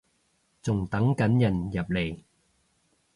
仲等緊人入嚟